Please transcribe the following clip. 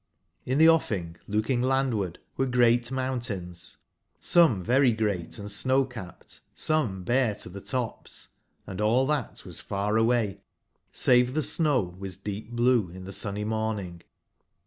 In tbe offing looking landward were great mountains, some very great & snow/capped, some bare to tbe tops; and all tbat was faraway, save tbe snow, was deep/blue in tbe sunny morning.